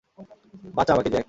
বাঁচা আমাকে জ্যাক।